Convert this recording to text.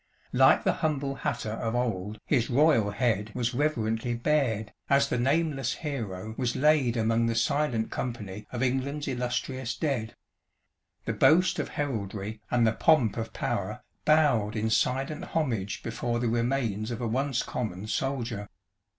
Like the humble hatter of old his royal head was reverently bared as the nameless hero was laid among the silent company of England's illustrious dead. 'The Boast of Heraldry and the Pomp of Power' bowed in silent homage before the remains of a once common soldier.